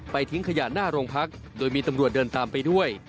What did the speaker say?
ทิ้งขยะหน้าโรงพักโดยมีตำรวจเดินตามไปด้วย